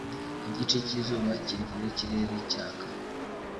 igice cy'izuba kiri kure y'ikirere cyaka